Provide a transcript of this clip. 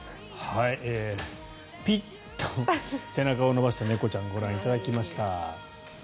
ピッと背中を伸ばした猫ちゃんをご覧いただきました。